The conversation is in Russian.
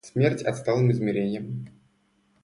Смерть отсталым измереньям!